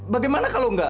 bagaimana kalau enggak